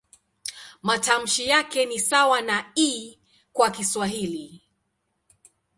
Matamshi yake ni sawa na "i" kwa Kiswahili.